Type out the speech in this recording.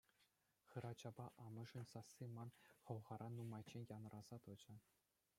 Хӗрачапа амӑшӗн сасси ман хӑлхара нумайччен янӑраса тӑчӗ.